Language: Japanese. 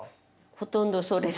ほとんどそれです。